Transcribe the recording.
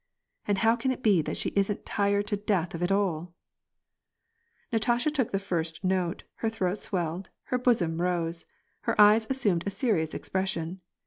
"And how can it be that she isn't tired to death of it all ?" Natasha took the first note, her throat swelled, her bosom rose, her eyes assumed a serious expression.